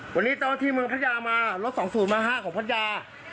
วันนี้เจ้าที่เมืองพัตย่ามารถสองสูอุตมาฮะของพัตย่า